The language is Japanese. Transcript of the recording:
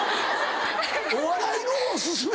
お笑いの方進め！